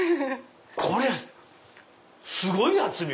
これすごい厚み。